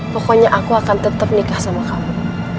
pokoknya aku akan tetap nikah sama kamu